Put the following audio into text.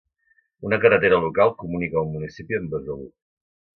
Una carretera local comunica el municipi amb Besalú.